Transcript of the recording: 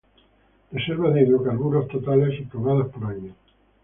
Reservas de hidrocarburos totales y probadas por año.